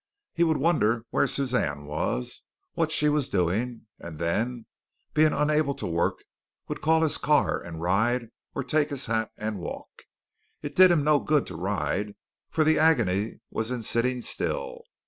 He would wonder where Suzanne was, what she was doing, and then, being unable to work, would call his car and ride, or take his hat and walk. It did him no good to ride, for the agony was in sitting still.